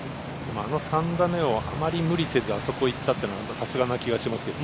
あの３打目をあまり無理せずあそこでいったというのがさすがな気がしますけど。